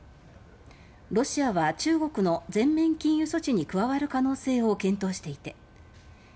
ロシアは中国の全面禁輸措置に加わる可能性を検討しています。